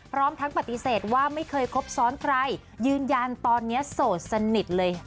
พร้อมทั้งปฏิเสธว่าไม่เคยคบซ้อนใครยืนยันตอนนี้โสดสนิทเลย